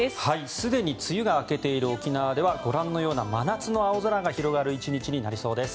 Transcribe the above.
すでに梅雨が明けている沖縄ではご覧のような真夏の青空が広がる１日になりそうです。